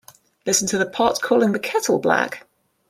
Listen to the pot calling the kettle black.